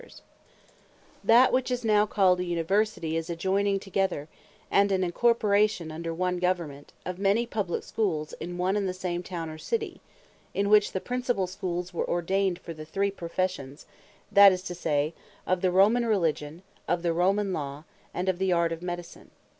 University What It Is That which is now called an University, is a Joyning together, and an Incorporation under one Government of many Publique Schools, in one and the same Town or City. In which, the principal Schools were ordained for the three Professions, that is to say, of the Romane Religion, of the Romane Law, and of the Art of Medicine.